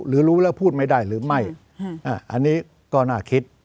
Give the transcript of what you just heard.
รู้แล้วพูดไม่ได้หรือไม่อันนี้ก็น่าคิด